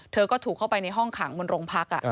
เธอก็ถูกเข้าไปในห้องขังบนโรงพัก